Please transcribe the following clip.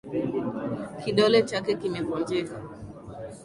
Kidole chake kimevunjika